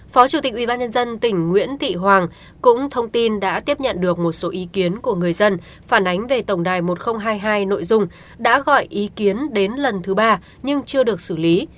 phó chủ tịch ubnd tỉnh nguyễn thị hoàng cũng thông tin đã tiếp nhận được một số ý kiến của người dân phản ánh về tổng đài một nghìn hai mươi hai nội dung đã gọi ý kiến đến lần thứ ba nhưng chưa được xử lý